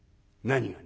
「『何が？』